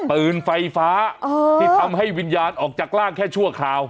ปืนไฟฟ้าที่ทำให้วิญญาณออกจากร่างแค่ชั่วคราว